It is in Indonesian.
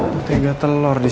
mentega sama telur nak